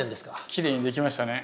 きれいにできましたね。